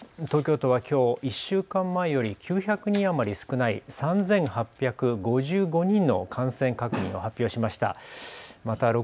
東京都はきょう１週間前より９００人余り少ない３８５５人の感染確認を発表しました。